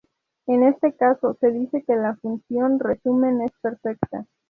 En este caso se dice que la función resumen es perfecta.